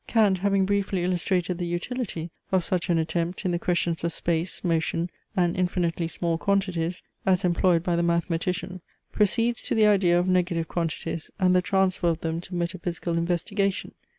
Kant having briefly illustrated the utility of such an attempt in the questions of space, motion, and infinitely small quantities, as employed by the mathematician, proceeds to the idea of negative quantities and the transfer of them to metaphysical investigation.